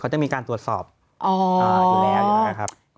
เขาจะมีการตรวจสอบอยู่แล้วอยู่แล้วครับ